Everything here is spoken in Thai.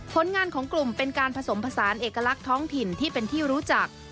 ผลงานของกลุ่มเป็นการผสมผสานเอกลักษณ์ท้องถิ่นที่เป็นที่รู้จัก